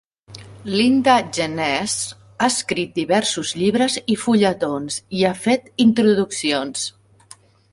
Linda Jenness ha escrit diversos llibres i fulletons i ha fet introduccions.